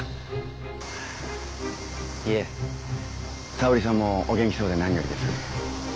沙織さんもお元気そうで何よりです。